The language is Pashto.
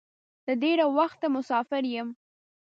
د ډېره وخته مسافر یم.